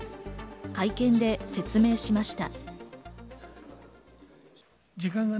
会見で説明しました。